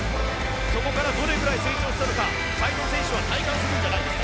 そこからどれぐらい成長したのか斎藤選手は体感するんじゃないですか。